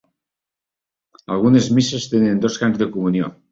Algunes misses tenen dos cants de Comunió.